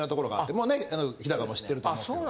もうね日高も知ってると思うけど。